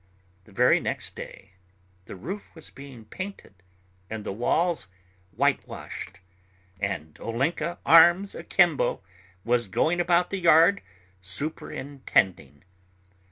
The very next day the roof was being painted and the walls whitewashed, and Olenka, arms akimbo, was going about the yard superintending.